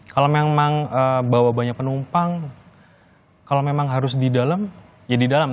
kalau memang bawa banyak penumpang kalau memang harus di dalam ya di dalam